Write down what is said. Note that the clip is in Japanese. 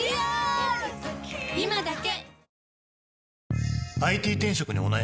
今だけ！